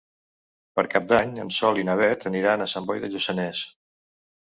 Per Cap d'Any en Sol i na Beth aniran a Sant Boi de Lluçanès.